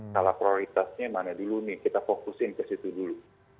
salah prioritasnya mana dulu nih kita fokusin kesitu dulu